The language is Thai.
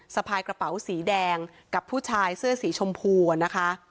สะพายกระเป๋าสีแดงกับผู้ชายเสื้อสีชมพูอะนะคะ